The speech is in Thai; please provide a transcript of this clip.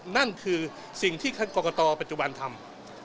นั่นคือสิ่งที่ท่านกรกตปัจจุบันทำ